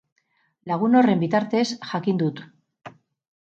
Lagun horren bitartez jakin dut.